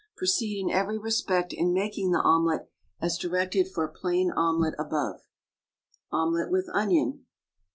Proceed in every respect, in making the omelet, as directed for plain omelet above. OMELET WITH ONION.